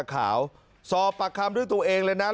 ก็ถามรับสอบแรกเดี๋ยวส่งแต่ย้ายหรือไม่ต่อครับ